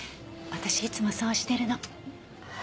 私いつもそうしてるの。